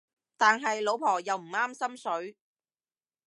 但係老婆又唔啱心水